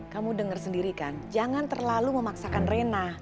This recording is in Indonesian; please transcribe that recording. kamu dengar sendiri kan jangan terlalu memaksakan rena